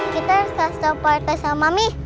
kita harus kasih tau partai sama mami